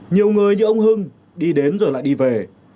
nhiều người như ông hưng đi đến rồi lại đi về